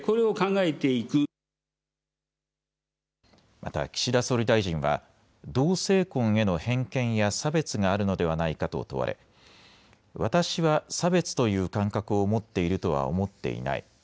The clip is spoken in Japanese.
また岸田総理大臣は同性婚への偏見や差別があるのではないかと問われ私は差別という感覚を持っているとは思っていない。